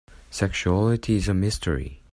Sexuality is a mystery.